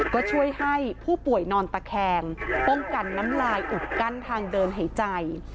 ก็ช่วยให้ผู้ป่วยนอนตะแคงป้องกันน้ำลายอุดกั้นทางเดินหายใจ